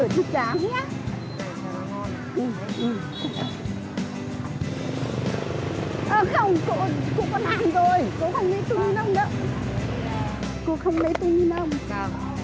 cô không lấy túi ni lông